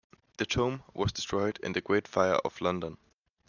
The tomb was destroyed in the Great Fire of London.